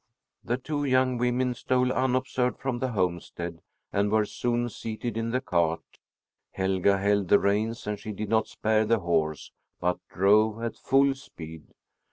The two young women stole unobserved from the homestead and were soon seated in the cart. Helga held the reins, and she did not spare the horse, but drove at full speed.